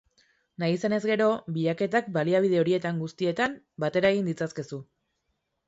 Nahi izanez gero, bilaketak baliabide horietan guztietan batera egin ditzakezu.